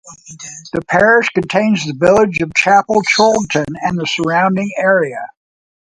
The parish contains the village of Chapel Chorlton and the surrounding area.